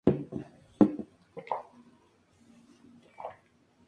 La especie prefiere un buen drenaje en la sombra con luz.